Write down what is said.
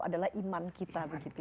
adalah iman kita